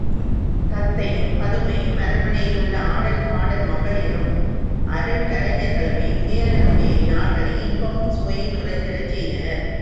தத்தையும் பதுமையும் அரண்மனையிலுள்ள ஆடல் பாடல் மகளிரும் அருங் கலைஞர்களுமே உதயணனுடைய நாள்களை இன்பமும் சுவையும் நிறைந்திடச் செய்தனர்.